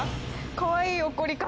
かわいい怒り方？